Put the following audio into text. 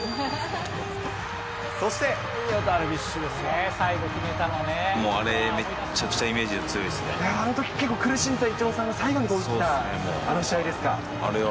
ダルビッシュですね、もうあれ、めちゃくちゃイメあのとき、結構苦しんでたイチローさんが最後に、あの試合ですか。